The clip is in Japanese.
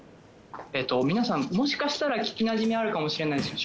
皆さんもしかしたら聞きなじみあるかもしれないですけど